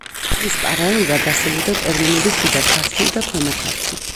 მის პარალელურად არსებობდა ტერმინები შიდა ქართლი და ქვემო ქართლი.